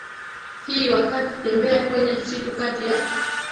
hii wakati tembea kwenye msitu Kati ya